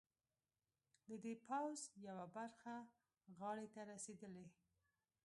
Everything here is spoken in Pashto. د دې پوځ یوه برخه غاړې ته رسېدلي.